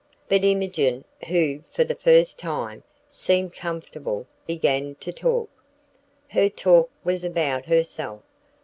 But Imogen, who, for the first time, seemed comfortable, began to talk. Her talk was about herself.